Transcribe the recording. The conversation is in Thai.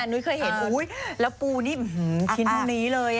นุ้ยเคยเห็นแล้วปูนี่ชิ้นตรงนี้เลย